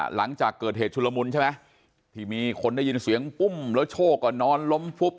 หลังจากเกิดเหตุชุลมุนใช่ไหมที่มีคนได้ยินเสียงปุ้มแล้วโชคก็นอนล้มฟุบ